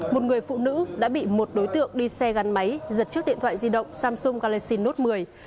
một người phụ nữ đã bị một đối tượng đi xe gắn máy giật trước điện thoại di động samsung galaxy note một mươi